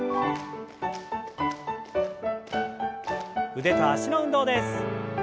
腕と脚の運動です。